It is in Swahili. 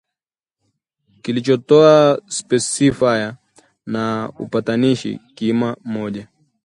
kilichotoa spesifaya na upatanishi kiima moja